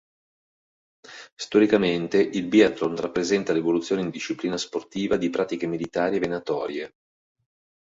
Storicamente, il biathlon rappresenta l'evoluzione in disciplina sportiva di pratiche militari e venatorie.